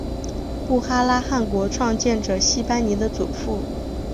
布哈拉汗国创建者昔班尼的祖父。